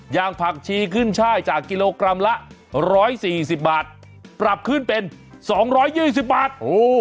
อย่างผักชีขึ้นช่ายจากกิโลกรัมละ๑๔๐บาทปรับขึ้นเป็น๒๒๐บาท